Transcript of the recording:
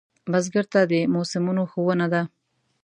بزګر ته د موسمونو ښوونه ده